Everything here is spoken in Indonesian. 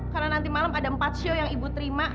karena nanti malam ada empat show yang ibu terima